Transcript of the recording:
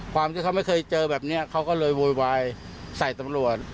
ความที่เขาไม่เคยเจอแบบนี้เขาก็เลยโวยวายใส่ตำรวจ